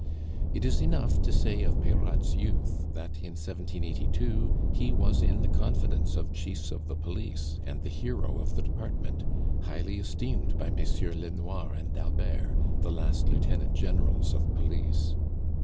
It is enough to say of Peyrade's youth that in 1782 he was in the confidence of chiefs of the police and the hero of the department, highly esteemed by MM. Lenoir and d'Albert, the last Lieutenant Generals of Police.